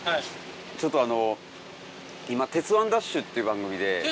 ちょっとあの今『鉄腕！ＤＡＳＨ‼』っていう番組で。